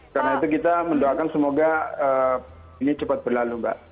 karena itu kita mendoakan semoga ini cepat berlalu mbak